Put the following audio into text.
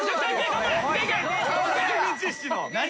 頑張れ。